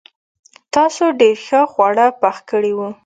تاسو ډېر ښه خواړه پخ کړي وو.